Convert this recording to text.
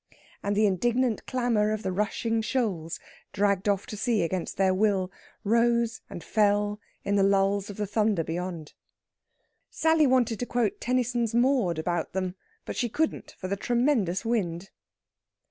And the indignant clamour of the rushing shoals, dragged off to sea against their will, rose and fell in the lulls of the thunder beyond. Sally wanted to quote Tennyson's "Maud" about them, but she couldn't for the tremendous wind.